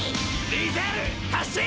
リザール発進！